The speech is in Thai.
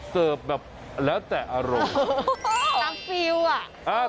เสิร์ฟแบบแล้วแต่อารมณ์